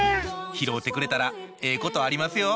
拾うてくれたらええことありますよ